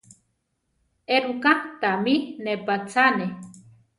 Éruká tamí nepátzaane?